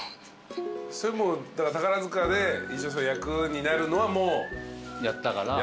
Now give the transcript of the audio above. だから宝塚で一応そういう役になるのはもうやったから？